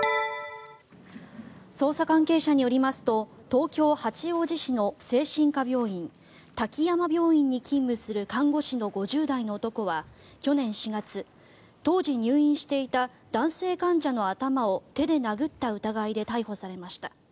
捜査関係者によりますと東京・八王子市の精神科病院滝山病院に勤務する看護師の５０代の男は去年４月当時入院していた男性患者の頭を手で殴った疑いで逮捕されました。